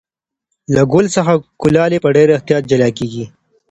له ګل څخه کلالې په ډېر احتیاط جلا کېږي.